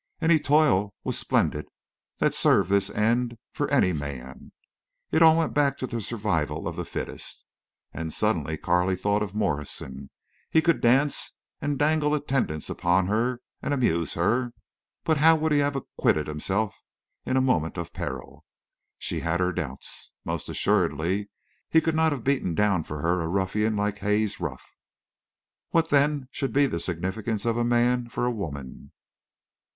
Any toil was splendid that served this end for any man. It all went back to the survival of the fittest. And suddenly Carley thought of Morrison. He could dance and dangle attendance upon her, and amuse her—but how would he have acquitted himself in a moment of peril? She had her doubts. Most assuredly he could not have beaten down for her a ruffian like Haze Ruff. What then should be the significance of a man for a woman?